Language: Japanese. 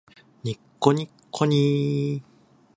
にっこにっこにー